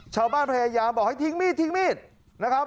ชาวบ้านพยายามบอกให้ทิ้งมีดนะครับ